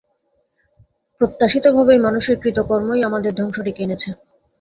প্রত্যাশিতভাবেই, মানুষের কৃতকর্ম-ই আমাদের ধ্বংস ডেকে এনেছে।